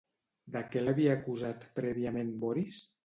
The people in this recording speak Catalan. De què l'havia acusat prèviament Boris?